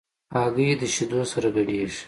هګۍ د شیدو سره ګډېږي.